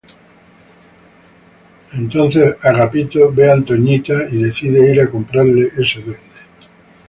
Entonces Homer ve a Maggie y decide ir a comprarle ese duende.